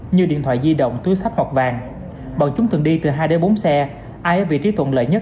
như điện thoại di động túi sách hoặc vàng bọn chúng thường đi từ hai đến bốn xe ai ở vị trí thuận lợi nhất